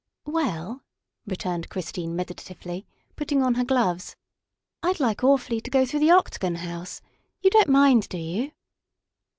" Well," returned Christine meditatively, putting on her gloves, "I'd like awfully to go through the Octagon House. You don't mind, do you?"